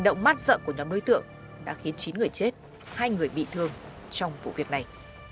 động mát sợ của nhóm đối tượng đã khiến chín người chết hai người bị thương trong vụ việc này